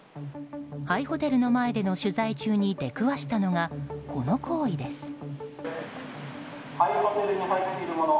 廃ホテルの前での取材中に出くわしたのがこの行為です。